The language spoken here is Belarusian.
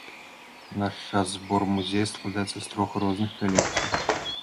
У наш час збор музея складаецца з трох розных калекцый.